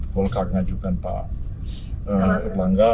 polkar mengajukan pak langga